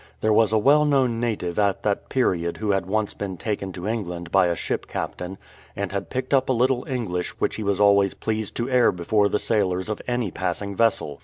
There was a well known native at that period who had once been taken to England by a ship captain, and had picked up a little English which he was always pleased to air before the sailors of any passing vessel.